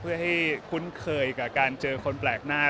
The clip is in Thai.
เพื่อให้คุ้นเคยกับการเจอคนแปลกหน้า